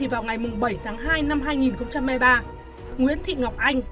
vào ngày bảy tháng hai năm hai nghìn hai mươi ba nguyễn thị ngọc anh